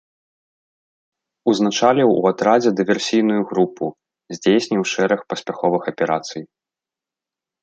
Узначаліў у атрадзе дыверсійную групу, здзейсніў шэраг паспяховых аперацый.